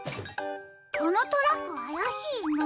このトラックあやしいな。